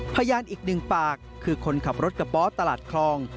พยานอีกหนึ่งปากคือคนขับรถกระป๋อตลาดคลอง